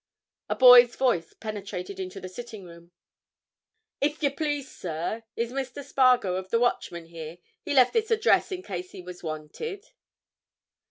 A boy's voice penetrated into the sitting room. "If you please, sir, is Mr. Spargo, of the Watchman, here? He left this address in case he was wanted."